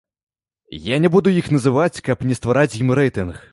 Я не буду іх называць, каб не ствараць ім рэйтынг.